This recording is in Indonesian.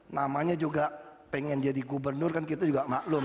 namanya juga pengen jadi gubernur kan kita juga maklum